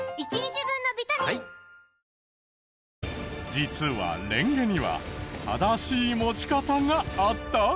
実はレンゲには正しい持ち方があった？